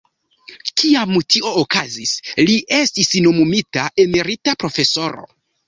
Kiam tio okazis, li estis nomumita emerita profesoro.